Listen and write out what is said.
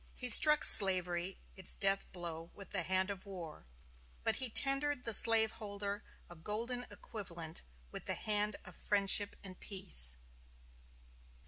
He struck slavery its death blow with the hand of war, but he tendered the slaveholder a golden equivalent with the hand of friendship and peace.